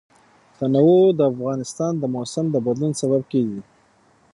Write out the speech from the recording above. تنوع د افغانستان د موسم د بدلون سبب کېږي.